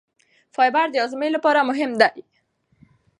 فایبر د هاضمې لپاره مهم دی.